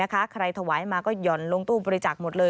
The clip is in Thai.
ใครถวายมาก็ห่อนลงตู้บริจาคหมดเลย